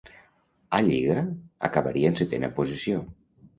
A lliga, acabaria en setena posició.